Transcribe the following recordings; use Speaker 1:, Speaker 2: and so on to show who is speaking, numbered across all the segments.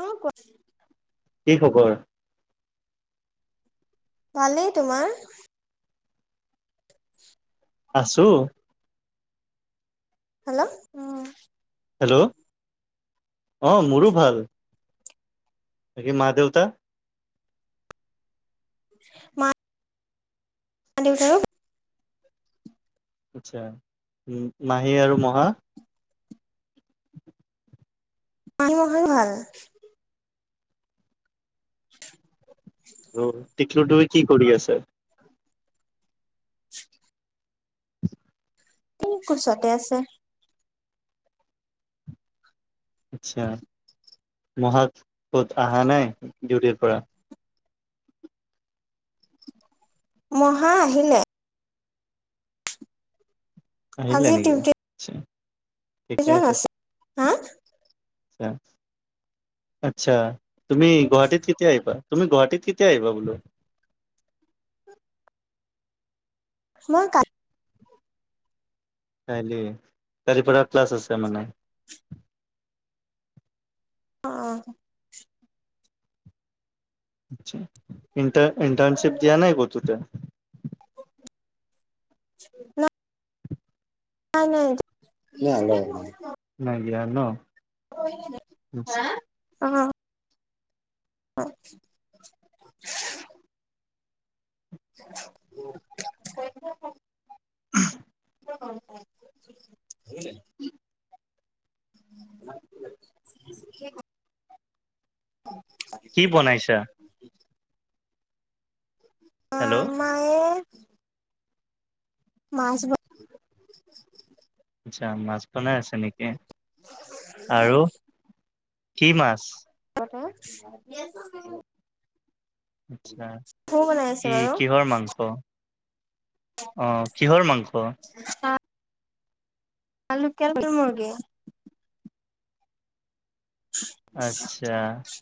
Speaker 1: অ কোৱা
Speaker 2: কি খবৰ
Speaker 1: ভালেই তোমাৰ
Speaker 2: আছোঁ
Speaker 1: হেল্ল'অ
Speaker 2: হেল্ল' অঁ মোৰো ভাল বাকী মা দেউতা
Speaker 1: মা মা, দেউতা
Speaker 2: আচ্ছা মাহী আৰু মহা
Speaker 1: মাহী মহাৰো ভাল। [inaudible]
Speaker 2: হেল্ল' টিকলুটোয়ে কি কৰি আছে?
Speaker 1: [inaudible]
Speaker 2: [inaudible]
Speaker 1: এই কোছতে আছে।
Speaker 2: আচ্ছা মহা ক'ত অহা নাই ডিউটিৰ পৰা?
Speaker 1: মহা আহিলে।
Speaker 2: আহিলে নেকি।
Speaker 1: [unintelligible] আছে হা।
Speaker 2: আচ্ছা তুমি গুৱাহাটীত কেতিয়া আহিব? তুমি গুৱাহাটীত কেতিয়া আহিব বোলো?
Speaker 1: মই কালি।
Speaker 2: কাইলৈ, কালিৰ পৰা ক্লাছে মানে?
Speaker 1: অ'।
Speaker 2: আচ্ছা ইন্টা-ইণ্টৰ্নশিপ দিয়া নাই ক'তো তই?
Speaker 1: [inaudible] নাই নাই [unintelligible]
Speaker 2: নাই দিয়া ন।
Speaker 1: [unintelligible] অ'। [inaudible] [inaudible] [inaudible] [inaudible]
Speaker 2: কি বনাইছা?
Speaker 1: [inaudible]
Speaker 2: হেল্ল'।
Speaker 1: মায়ে মাছ ব
Speaker 2: আচ্ছা মাছ বনাই আছে নেকি, আৰু কি মাছ?
Speaker 1: [inaudible] [unintelligible]
Speaker 2: আচ্ছা
Speaker 1: বনাই আছে
Speaker 2: কি
Speaker 1: বাৰু।
Speaker 2: কিহৰ মাংস? অ', কিহৰ মাংস?
Speaker 1: [inaudible] লোকেলটো মূৰ্গী।
Speaker 2: আচ্ছা,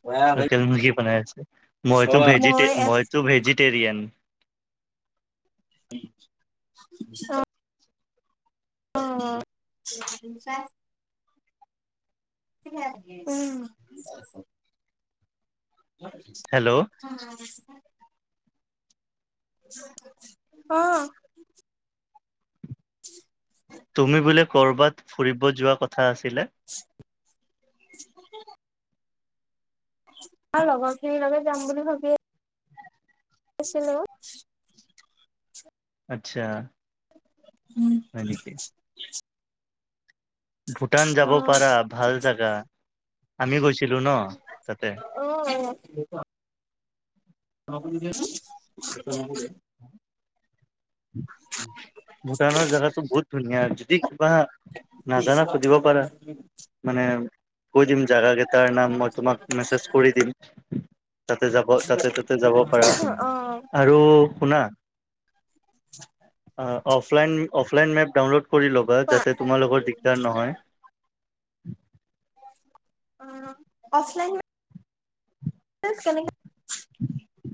Speaker 1: মই
Speaker 2: লোকেল মুৰ্গী বনাই আছে। মই ভেজী মইটো ভেজী টেৰিয়ান।
Speaker 1: অ'। অ'। উম।
Speaker 2: হেল্ল'
Speaker 1: [inaudible] অ'। [inaudible]
Speaker 2: তুমি বোলে ক'ৰবাত ফুৰিব যোৱা কথা আছিলে?
Speaker 1: [inaudible] আৰু লগৰখিনিৰ লগত যাম বুলি ভাবি আছিলোঁ।
Speaker 2: আচ্ছা।
Speaker 1: [inaudible]
Speaker 2: হয় নেকি? ভূটান যাব
Speaker 1: অ
Speaker 2: পাৰা ভাল জাগা আমি গৈছিলো ন' তাতে।
Speaker 1: অ', অ', [unintelligible]
Speaker 2: ভূটানৰ জাগাটো বহুত ধুনীয়া হয় যদি কিবা নাজানা সুধিব পাৰা মানে কৈ দিম জাগা কেই তাৰ নাম মই তোমাক মেছেজ কৰি দিম। তাতে যাব তাতে-তাতে যাব পাৰা
Speaker 1: অ',
Speaker 2: আৰু শুনা
Speaker 1: [unintelligible]
Speaker 2: অ, অফলাইন-অফলাইন মেপ ডাউনলোড কৰি ল'বা
Speaker 1: কোৱা
Speaker 2: যাতে তোমালোকৰ দিগদাৰ নহয়।
Speaker 1: অ, অফলাইন মে মেপ কেনেকে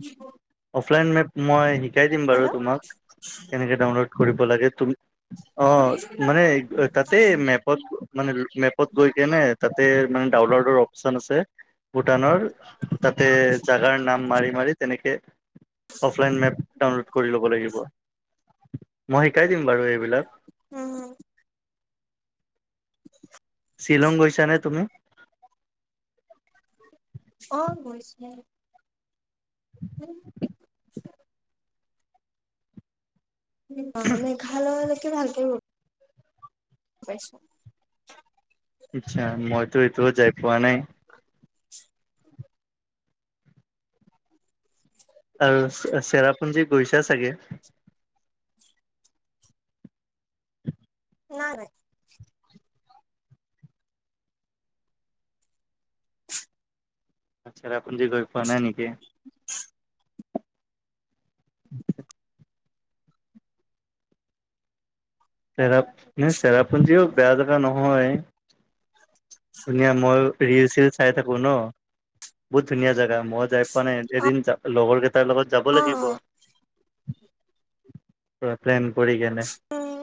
Speaker 1: দিব
Speaker 2: অফলাইন মেপ মই শিকাই দিম বাৰু
Speaker 1: হেল্ল'
Speaker 2: তোমাক কেনেকে ডাউনলোড কৰিব লাগে তুম অ, মানে তাতে মেপ পত মানে মেপত গৈ কেনে তাতে মানে ডাউনলোডৰ অপচন আছে ভূটানৰ তাতে জাগাৰ নাম মাৰি-মাৰি তেনেকে অফলাইন মেপ ডাউনলোড কৰি ল'ব লাগিব মই শিকাই দিম বাৰু এইবিলাক।
Speaker 1: উম, হম। [unintelligible]
Speaker 2: শ্বিলং গৈছা নে তুমি?
Speaker 1: অ, গৈছে। [unintelligible] [unintelligible] মেঘালয়ৰ লৈকে ভালকে [unintelligible]
Speaker 2: আচ্ছা মইতো এইটোও যাই পোৱা নাই।
Speaker 1: [unintelligible]
Speaker 2: আৰু চে -চেৰাপুঞ্জী গৈছা চাগে?
Speaker 1: নাই-নাই।
Speaker 2: চেৰাপুঞ্জী গৈ পোৱা নাই নেকি?
Speaker 1: [unintelligible]
Speaker 2: [inaudible] চেৰাব মানে চেৰাপুঞ্জীও বেয়া জেগা নহয় ধুনীয়া মই ৰিল-চিল চাই থাকো ন' বহুত ধুনীয়া জাগা। মইও যাই পোৱা নাই এদিন যা লগৰ কেইটাৰ লগত যাব লাগিব।
Speaker 1: অ',
Speaker 2: পোৰা প্লেন কৰি কেনে।
Speaker 1: উম,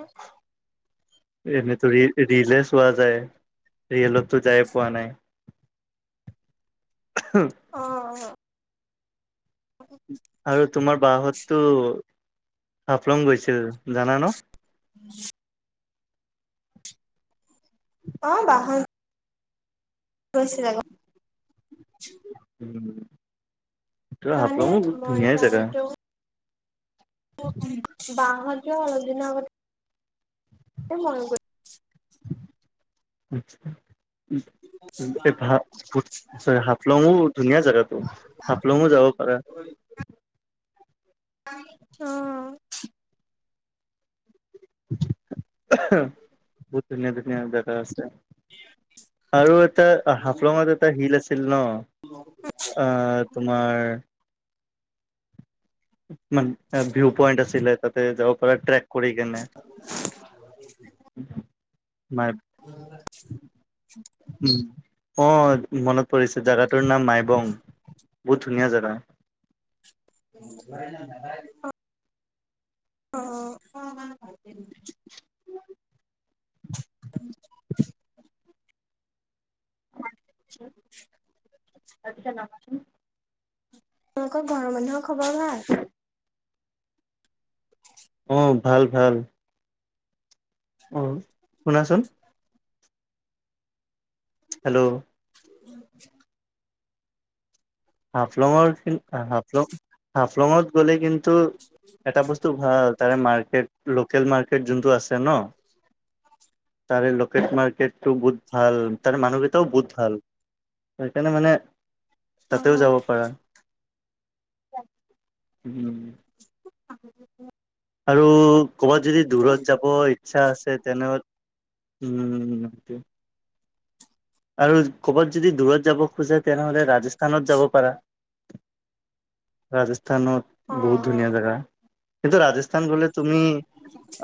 Speaker 2: এনেইতো ৰি-ৰিলে চোৱা যায় ৰিয়েলততো যায়ে পোৱা নাই।
Speaker 1: অ', অ',
Speaker 2: আৰু তোমাৰ বা হততো হাফলং গৈছিল জানা ন'?
Speaker 1: [unintelligible] অ, বা হত গৈছিলে গম [inaudible]
Speaker 2: উম, তো
Speaker 1: তাৰমানে
Speaker 2: হাফলঙো [unintelligible]
Speaker 1: মই
Speaker 2: ধুনীয়াই যাগা।
Speaker 1: [unintelligible] উম, বা হত যে অলপদিন আগত। এ মইও গৈ।
Speaker 2: [unintelligible] এই ভা গো‌ চাগে‌ হাফলং ধুনীয়া জেগা।। অহ হাফলংও যাব পাৰা।
Speaker 1: হয় তো।
Speaker 2: এহ বহুত ধুনীয়া-ধুনীয়া জাগা আছে। আৰু এটা হাফলংত এটা শিল আছিল ন' অহ।, তোমাৰ। মান ভিউ পইণ্ট আছিলে তাতে যাব পৰা ট্ৰেক। কৰি
Speaker 1: আকৌ
Speaker 2: কেনে
Speaker 1: নামিব লাগে। ভাগ লাগে উঠি।
Speaker 2: মাই
Speaker 1: [unintelligible]
Speaker 2: উম অহ, মনত পৰিছে জেগাটোৰ নাম মাইবং বহুত ধুনীয়া জেগা।
Speaker 1: নাই নাই সেনকাই দি অহ। অঁ, অহ মই ভালকে দি। উম।
Speaker 2: উম তাইক এতিয়া নামাতিম।
Speaker 1: তোমালোকৰ ঘৰৰ মানুহৰ খবৰ ভাল?
Speaker 2: অহ ভাল ভাল। ঔ শুনাচোন। হেল্লো।
Speaker 1: [unintelligible]
Speaker 2: হাফলংৰ কিন হাফলং হাফলংত গ'লে কিন। টো এটা বস্তু ভাল তাৰে মাৰ্কেট লোকেল মাৰ্কেট যোনটো আছে ন'। আৰু লোকেল মাৰ্কেটটো বহুত ভাল তাৰে মানুহকেইটাও বহুত ভাল তো সেইকাৰণে মানে। তাতেও
Speaker 1: অ',
Speaker 2: যাব পাৰা যাম উম। আৰু ক'বাত যদি
Speaker 1: যে
Speaker 2: দূৰত যাব ই। চ্ছা আছে তেনেহ উম তো। আৰু ক'বাত যদি দূৰত যাব খোজে তেনেহ'লে ৰাজস্থানত যাব পাৰা। ৰাজস্থানত
Speaker 1: অ',
Speaker 2: বহুত ধুনীয়া
Speaker 1: অ',
Speaker 2: জেগা কিন্তু ৰাজস্থ। স্থান গলে তুমি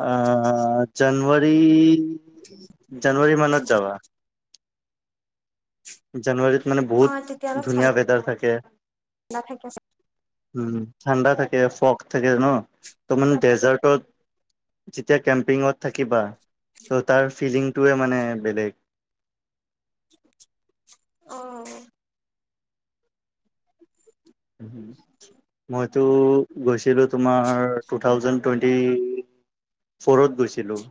Speaker 2: অহ জানুৱাৰী।
Speaker 1: উম,।
Speaker 2: জানুৱাৰীৰ মানত যাবা। জানুৱাৰীত মানে
Speaker 1: অ',
Speaker 2: বহুত ধুনীয়া ৱেদাৰ থাকে।
Speaker 1: নাথাকে চা।
Speaker 2: উম, ঠাণ্ডা থাকে ফক থাকে ন? তো মানে ডেজাৰ্টত যেতিয়া কেম্পিঙত থাকিবা ত' তাৰ ফিলিংটোৱে মানে বেলেগ।
Speaker 1: [unintelligible] অ'।
Speaker 2: মইতো গৈছিলোঁ তোমাৰ টু থাউজেণ্ড- টুৱেণ্টি ফ'ৰত গৈছিলিলোঁ।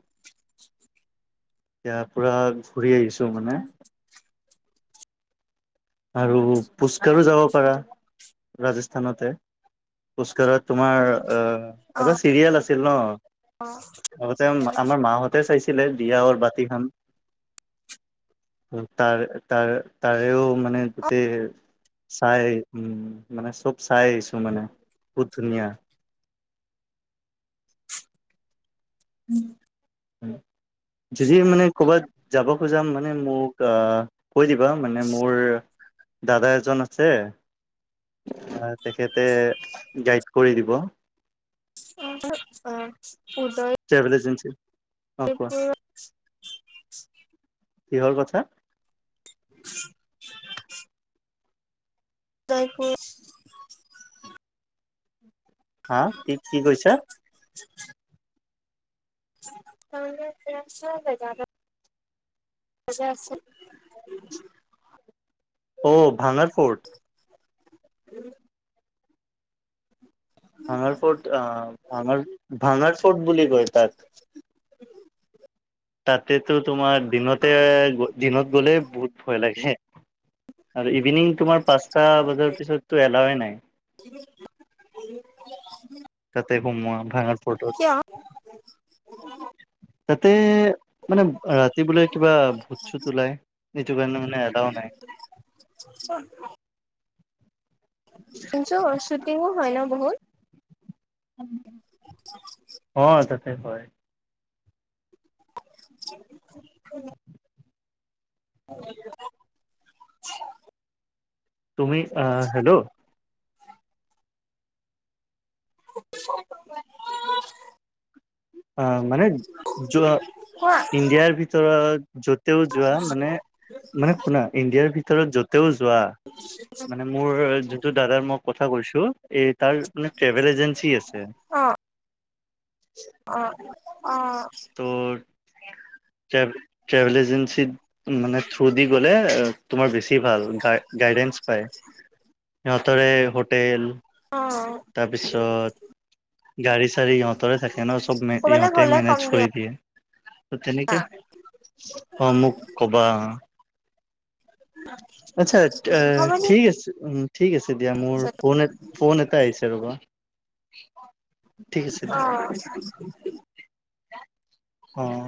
Speaker 2: এতিয়া পোৰা ঘূৰি আহিছোঁ মানে। আৰু পুচকাৰো যাব পাৰা ৰাজস্থানতে। খোজকাঢ়াত তোমাৰ অ, এটা চিৰিয়েল আছিল
Speaker 1: অ',
Speaker 2: ন আগতে আমাৰ মা আমাৰ মাহঁতে চাইছিলে দিয়া অৰ বাতি খন উম তাৰ তাৰ তাৰেও মানে গোটেই চাই এই উম মানে চব চাই আহিছো মানে, বহুত ধুনীয়া।
Speaker 1: ওম'
Speaker 2: যদি মানে ক'বাত- যাব খোজা মানে মোক অ', কৈ দিবা মানে মোৰ দাদা এজন আছে। আ, তেখেতে গাইড কৰি দিব।
Speaker 1: [unintelligible] উদয়
Speaker 2: ট্ৰেভেল এজেঞ্চি অ কোৱা
Speaker 1: [inaudible]
Speaker 2: কিহৰ কথা?
Speaker 1: [inaudible]
Speaker 2: হা কি কি কৈছা?
Speaker 1: [unintelligible] পইচা আছিল।
Speaker 2: অ' ভাঙাৰ ফোৰ্ট?
Speaker 1: [inaudible]
Speaker 2: ভাঙাৰ ফৰ্ট আ, ভাঙাৰ ভাঙাৰ ফৰ্ট বুলি কয় তাত। ততেটো তোমাৰ দিনতে
Speaker 1: অ',
Speaker 2: দিনত গ'লে বহুত ভয় লাগে। আৰু ইভিনিং তোমাৰ পাঁচটা বজাৰ পিছতটো এলাওৱে নাই।
Speaker 1: [unintelligible]
Speaker 2: তাতে সোমোৱা ভাত
Speaker 1: কিয়?
Speaker 2: তাতে মানে, ৰাতি বোলে কিবা ভূত-চুত ওলাই, সেইটো কাৰণে মানে এটাও নাই
Speaker 1: [unintelligible] কিন্তু শ্বুটিংও হয় ন বহুত
Speaker 2: অঁ, তাতে হয়।
Speaker 1: [unintelligible] [unintelligible]
Speaker 2: তুমি আ হেল্ল'।
Speaker 1: [inaudible] [unintelligible]
Speaker 2: অ', মানে জব
Speaker 1: কোৱা
Speaker 2: ইণ্ডিয়াৰ ভিতৰত য'তেও যোৱা মানে মানে শুনা ইণ্ডিয়াৰ ভিতৰত য'তেও যোৱা মানে মোৰ যিটো দাদাৰ মই কথা কৈছোঁ এ তাৰ মানে ট্ৰেভেল এজেঞ্চি আছে
Speaker 1: অ', অ অ।
Speaker 2: তোৰ ট্ৰে ট্ৰেভেল এজেঞ্চিত মানে থ্ৰু দি গ'লে তোমাৰ বেছি ভাল গাইডেন্স হয় সিহঁতৰে হোটেল।
Speaker 1: অহ।
Speaker 2: তাৰপিছত গাড়ী চাৰী ইহঁতৰে থাকে ন' চব মে
Speaker 1: ক'বালৈ
Speaker 2: ইহঁতে
Speaker 1: গ'লে
Speaker 2: মেনেজ।
Speaker 1: কম
Speaker 2: চব কৰি
Speaker 1: দিয়া
Speaker 2: দিয়ে তো তেনেকে অহ,
Speaker 1: অ',
Speaker 2: মোক কবা। আচ্ছা অহ
Speaker 1: হ'ব দিয়া
Speaker 2: ঠিক আছে উম। ঠিক আছে দিয়া মোৰ
Speaker 1: পিছত
Speaker 2: ফোন ফোন এটা আহিছে ৰ'বা। কি ক।
Speaker 1: অহ।
Speaker 2: কাম অহ।